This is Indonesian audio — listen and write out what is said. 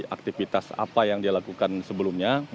aktivitas apa yang dia lakukan sebelumnya